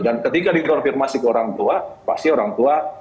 dan ketika dikonfirmasi ke orang tua pasti orang tua